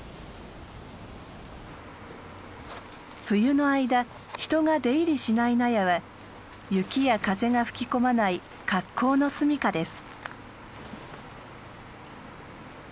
冬の間人が出入りしない納屋は雪や風が吹き込まない格好の住みかです。